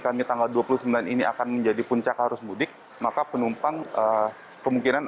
kami tanggal dua puluh sembilan ini akan menjadi puncak arus mudik maka penumpang kemungkinan